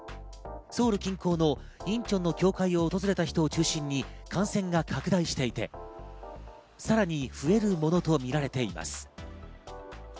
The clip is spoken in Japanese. ソウル近郊のインチョンの教会を訪れた人を中心に感染が拡大していて、さらに増えるものとみられています。